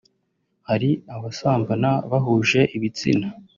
hari abasambana bahuje ibitsina